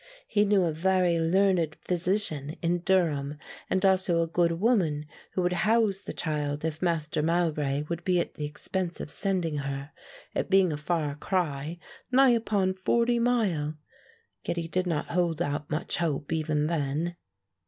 He knew a very learned physician in Durham and also a good woman who would house the child if Master Mowbray would be at the expense of sending her, it being a far cry, nigh upon forty mile. Yet he did not hold out much hope even then."